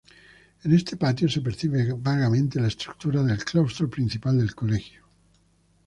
En este patio se percibe vagamente la estructura del claustro principal del Colegio.